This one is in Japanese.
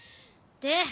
で？